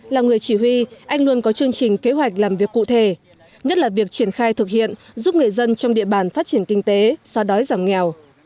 là người chỉ huy anh luôn có chương trình kế hoạch làm việc cụ thể nhất là việc triển khai thực hiện giúp người dân trong địa bàn phát triển kinh tế xoa đói giảm nghèo